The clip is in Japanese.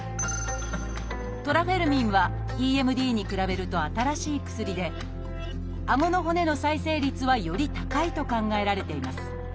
「トラフェルミン」はＥＭＤに比べると新しい薬であごの骨の再生率はより高いと考えられています。